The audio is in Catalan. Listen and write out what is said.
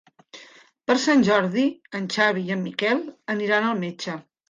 Per Sant Jordi en Xavi i en Miquel aniran al metge.